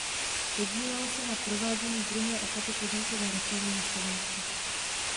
Podílel se na provádění druhé etapy pozemkové reformy na Slovensku.